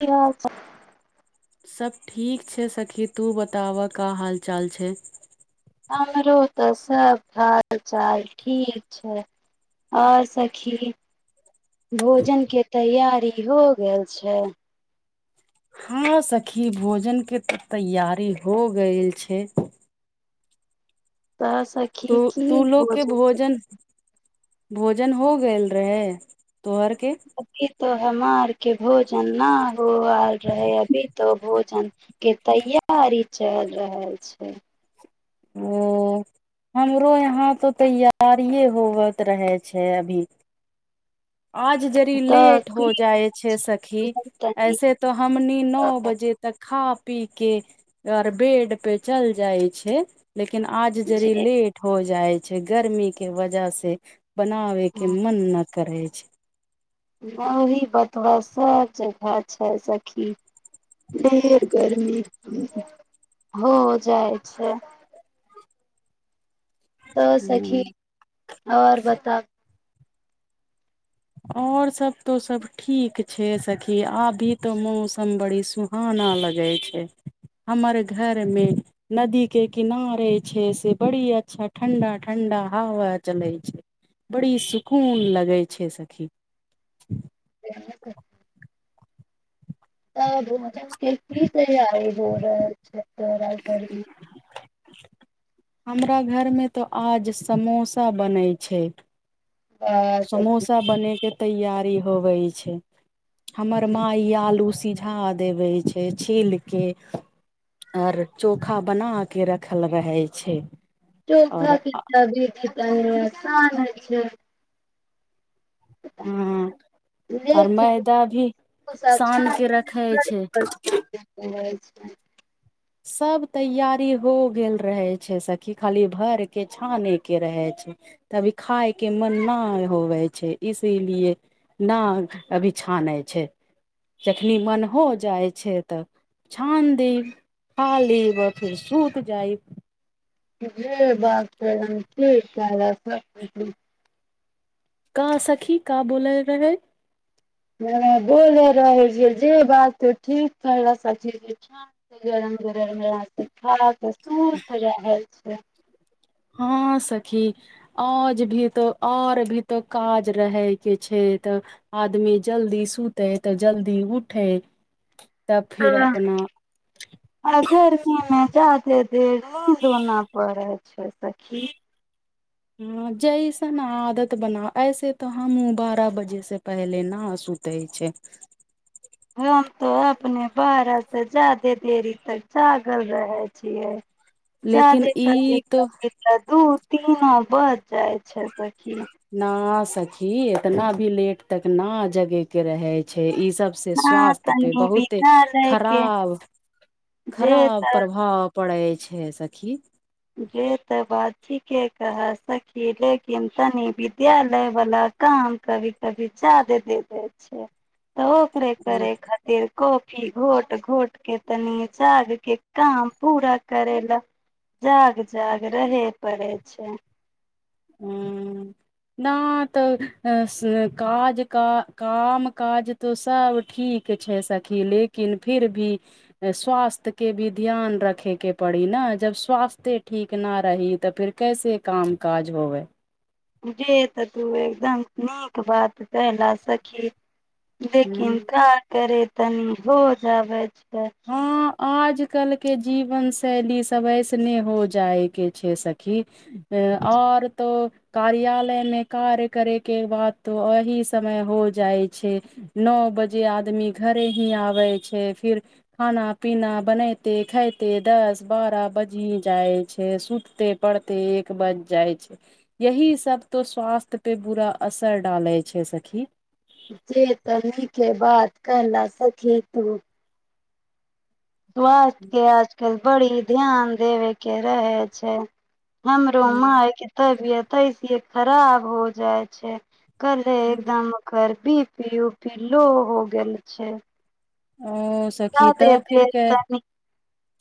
की हाल चाल। सब ठीक छै सखी, तू बताबा का हाल चाल छै। हमरो ते सब हाल चाल ठीक छै और सखी भोजनके तैयारी हो गेल छै। हाँ सखी भोजन के ते तैयारी हो गेल छै। तऽ सखी की भोजन [unintelligible] [unintelligible] [unintelligible] [unintelligible] [unintelligible] तऽ [unintelligible] [unintelligible] [unintelligible] छै गर्मी के वजह से [unintelligible] करय [unintelligible] [unintelligible] तऽ सखी छै आओर बताउ [unintelligible] [unintelligible] [unintelligible] तब धुम मचाउ कि कि तैयारी भऽ रहल छै तोरा घरमे हमरा घरमे तऽ आज समोसा बनै छै मे समोसा बने के तैयारी होबै छै हमर माँ ई आलू उसि [unintelligible] [unintelligible] [unintelligible] हँ आओर लेकिन मैदा भी कुछ अच्छा शानके रखै छै [inaudible] सभ तैयारी हो गेल रहै छै सखि खाली भरि कऽ छानयके रहै छै तऽ अभी खायके मन नहि होवै छै इसीलिए न अभी छानै छै जखनि मन हो जाइ छै तऽ छान देब खालीब आ फेर सूत जाइब जे बात करब की करब [unintelligible] का सखी का बोले रहै बोले रहै छै जे बात ठीक कर सखी [unintelligible] तऽ सूत रहल अच्छा हँ सखी आज भी तऽ आओर भी तो काज रहैय के छै तऽ आदमी जल्दी सुतै तऽ जल्दी उठै गरमीमे जाके परे धोना पड़ै। अच्छा सखी हँ जैसन आदत बनाउ ऐसे तऽ हमहूँ बारह बजेसँ पहिले न सुतै छै हम तो अपने बारह से ज्यादे देरी तक जागल रहै छियै लेकिन ज्यादे क ई तो दिक्कत दिक्कत दूर तीन नवम्बर जाइ छै सखी न सखी एतना भी लेट तक न जगै के रहै छै इस सबसे हँ स्वास्थ्य पे तनी बहुत विद्यालय के खराब जे खराब तऽ प्रभाव पड़ै छै सखी जे तऽ बात ठीके कह सखी लेकिन तनि विद्यालयवला काम कभी कभी ज्यादे दे देबै छै ह [unintelligible] घोट घोट के तनी जाग के काम पूरा करेला जाग जाग रहे पड़े छै न तऽ काज कऽ काम काज तऽ सब ठीक छै सखी लेकिन फिर भी स्वास्थ्य के भी ध्यान रखेके पड़ी ने जब स्वास्थे ठीक न रही तऽ फिर कैसे काम काज होबै जे तऽ तू एकदम नीक बात कहला सखी हूं लेकिन का करे तनी हो जाबै तऽ आज कल के जीवन शैली सब ऐसने हो जाय के छै सखी आओर तो कार्यालय मे कार्य करे के बाद तो एही समय हो जाइ छै नओ बजे आदमी घरे ही आबै छै फिर [unintelligible] [unintelligible] [unintelligible] बड़ी ध्यान देबे के रहै छै हमरो हूँ माइ के तबीयत तैसियै खराब हो जाइ छै कल्हे हूँ एकदम कर बीपी उपी लो हो गेल छै ओ सखी तऽ फिर कै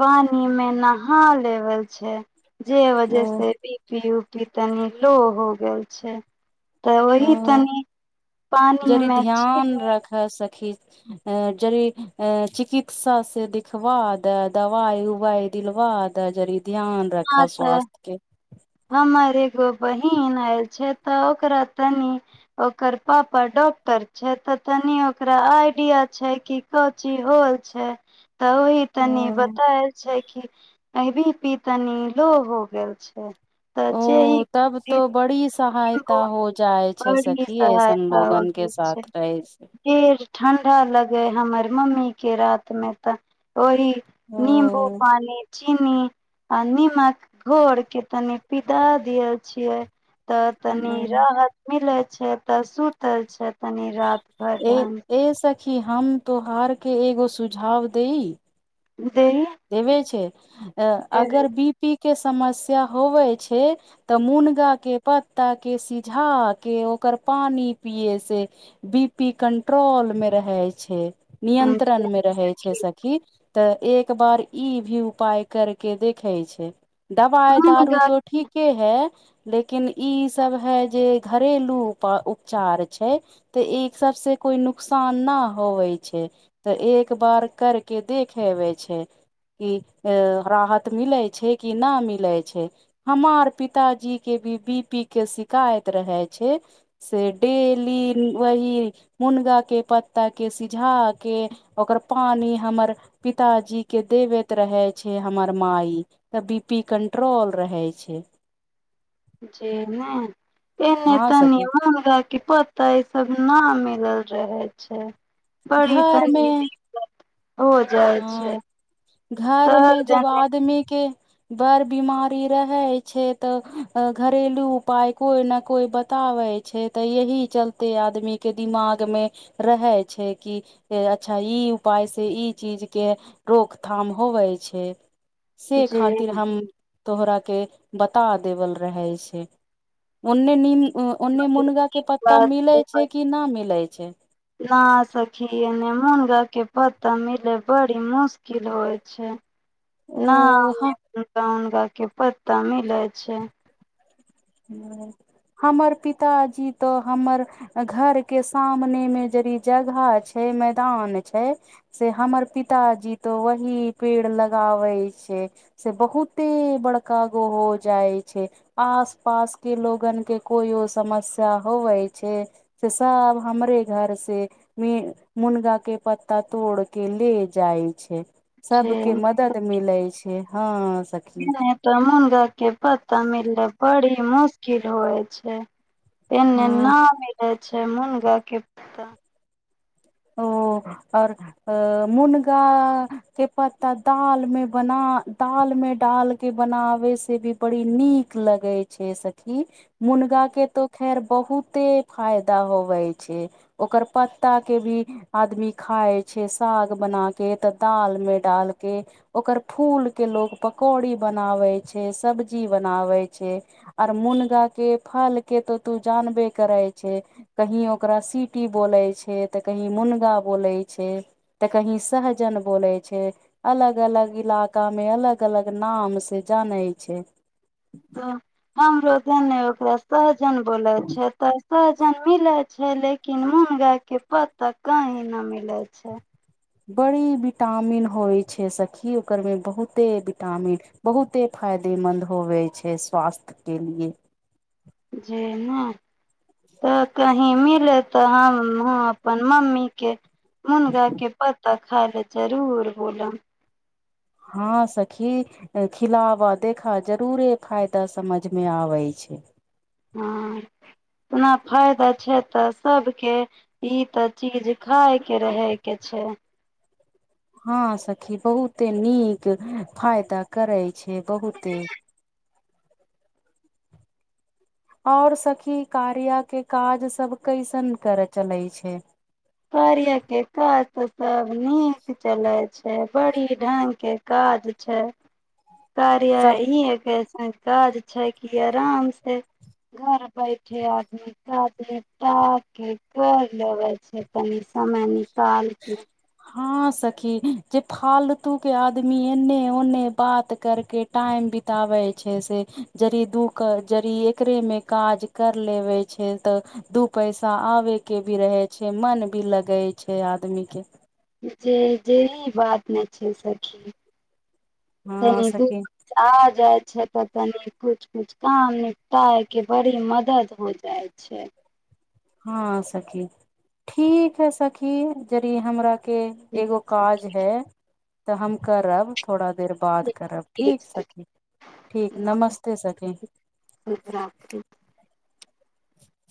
पानि मे नहा लेवल छै जे वजह ओ से बीपी उ- की तनि लो हो गेल छै तऽ ओही तनि पानिमे छीट अ - जरी अ- चिकित्सा से दिखवा दाए दवाई उवाई दिलवा दाए जरी ध्यान रख स्वास्थ के हमर एगो बहीन आएल छै तऽ ओकरा तनि ओकर पापा डॉक्टर छै तऽ तनि ओकरा आइडिया छै की क चीज होल छै त ओहि तनि हँ बताल छै कि अ-बीपी तनि लो हो गेल छै तऽ जे ई ओ तब तो बड़ी सहायता हो जाय छै बड़ी सखी ऐसन सहायता हो लोगन के छै साथ रहै छै फिर ठण्डा लगै हमर मम्मी के रात मे तऽ ओहि नीमबू हँ पानि चीनी आ निमक घोर के तनि पिला दिअ छियै तऽ तनी राहत मिलत छै तऽ सुूतल छै तनि राति भर ढ्ंग -खी की हम त्यौहारके एगो सुझाव दइ देहि देबे छै अगर बीपी के समस्या होवे छै तऽ मुनगा के पत्ता के सिझा के ओकर पानि पियै से बीपी कंट्रोल मे रहै छै नियंत्रणमे रहै छै सखी तऽ एक एकबार ई भी उपाय करके देखै छै दवाइ दारू तो ठीके हइ लेकिन इ सब है जे घरेलू उपा-उपचार छै ते ए सब से कोई नुकसान न होवे छै तऽ एक बार कर के देख हेवे छै छै की ए-राहत मिलै छै कि नहि मिलै छै हमार पिताजी के भी बीपी के शिकायत रहै छै से डेली वही मुनगा के पत्ता के सिझा के ओकर पानि हमर पिताजी के देबैत रहै छै हमर माइ तऽ बीपी कणट्रोल रहै छै जे ने एने हँ तनी सखी मुनगा के पत्ता ई सब न मिलल रहै छै बड़ी घर मे तनि दिक्क़त हँ घरमे जब शहर आदमी के बर बिमारी रहै छै तऽ घरेलू उपाय कोई ने कोई बताबे छै तऽ यही चलते आदमी के दिमाग मे रहै छै की अच्छा इ उपाय से इ चीज के रोकथाम होबै छै से खातिर जे हम तोहरा के बता देवल रहै छै ओन्ने नीम ओन्ने मुनगा के पत्ता बात मिलै छै की ना मिलै छै पता मिलै बड़ी मुश्किल होइ छै ओ न ह [unintelligible] के पता मिलै छै हमर पिताजी तऽ हमर घर के सामने मे जदि जगह छै मैदान छै से हमर पिताजी तऽ वही पेड़ लगाबै छै से बहुते बड़का गो हो जाइ छै आस- पास के लोगन के कोइो समस्या होवै छै से सब हमरे घर से मुनगा के पत्ता तोड़ के ले जाइ छै छै सबके मदद मिलै छै जे हँ सखी नहि तऽ मुनगा के पता मिलले बड़ी मुश्किल होइ छै एन्ने हँ ना मिलै छै मुनगा के पत्ता ओ आओर अ-मुनगा के पत्ता दाल मे बना दाल मे डाल के बनाबे से भी बड़ी नीक लगै छै सखी मुनगा के तो खैर बहुते फायदा होवे छै ओकर पत्ता के भी आदमी खाइ छै साग बना के तऽ दाल मे डाल के ओकर फूल के लोग पकौड़ी बनाबे छै सब्जी बनाबे छै आर मुनगा के फल के तऽ तू जानबे करै छै कही ओकरा सीटी बोले छै तऽ कहीं मुनगा बोलै छै तऽ कहीं सहजन बोलै छै अलग अलग इलाका मे अलग अलग नाम से जानै छै तऽ हमरो देने ओकरा सह- -जन बोलै छै तऽ सहजन मिले छै लेकिन मुनगा के पत्ता कही न मिले छै बड़ी विटामिन होइ छै सखि ओकरमे बहुते विटामिन बहुते फायदेमन्द होवै छै स्वास्थ्यके लिए जे नहि तऽ कहीं मिले तऽ हमहूँ अपन मम्मीेके मुनगाके पत्ता खाइ ले जरूर बोलब हँ सखी खिलाव देखह जरूरे फायदा समझमे आबै छै हँ ओना फायदा छै तऽ सबके ई तऽ चीज खाइ के रहै के छै हँ सखी बहुते नीक फायदा करै छै बहुते आओर सखी कार्या के काज सब कैसन करै चलै छै कार्या के काज तऽ सभ नीक चलै छै बड़ी ढंग के काज छै कार्या सब इ ए के काज छै की आराम से घर बैठे आदमी काज लेटा के कर लेबै छै कनि समय नि- -काल के हाँ सखी जे फालतू के आदमी एने ओने बात करके टाइम बितावै छै से यदि दू जड़ी एकरे मे काज कर लेवै छै तऽ दू पैसा आबै के भी रहै छै मन भी लगै छै आ- -दमी के जे जे बात नहि छै सखी हँ तनी दू सखी [unintelligible] जाइ छै तऽ तनि कुछ कुछ काम निपटाय के बड़ी मदद हो जाइ छै हँ सखी ठीक हइ सखी जदि हमरा के ठीक एगो सखी काज है तऽ हम करब थोड़ा- -देर बाद करब ठीक सखी ठीक नमस्ते सखी शुभ रात्रि